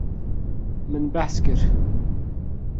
Min behs kir.